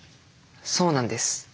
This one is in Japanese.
そうなんです。